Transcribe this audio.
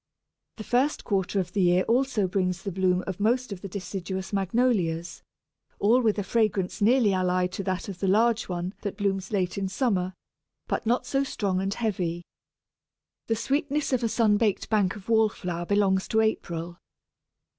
The first quarter of the year also brings the bloom of most of the deciduous Magnolias, all with a fragrance nearly allied to that of the large one that blooms late in summer, but not so strong and heavy. The sweetness of a sun baked bank of Wallflower belongs to April.